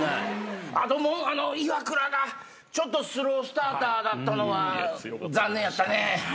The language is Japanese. あとイワクラがちょっとスロースターターだったのは残念やったね。